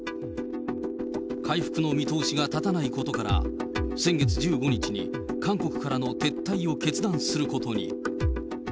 回復の見通しが立たないことから、先月１５日に韓国からの撤退を決断することに。